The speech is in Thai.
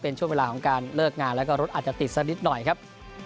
เป็นช่วงเวลาของการเลิกงานแล้วก็รถอาจจะติดสักนิดหน่อยครับ